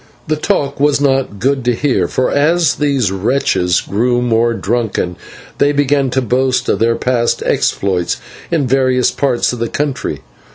The talk was not good to hear, for as these wretches grew more drunken, they began to boast of their past exploits in various parts of the country.